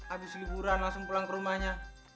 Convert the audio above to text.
habis liburan langsung pulang ke rumahnya